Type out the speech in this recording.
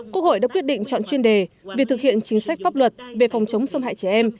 quốc hội đã quyết định chọn chuyên đề việc thực hiện chính sách pháp luật về phòng chống xâm hại trẻ em